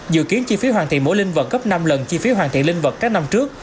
dự kiến chi phí hoàn thiện mỗi linh vật gấp năm lần chi phí hoàn thiện linh vật các năm trước